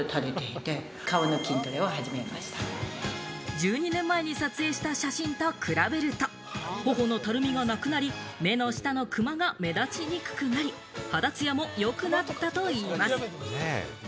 １２年前に撮影した写真と比べると、頬のたるみがなくなり、目の下のクマが目立ちにくくなり、肌つやも良くなったといいます。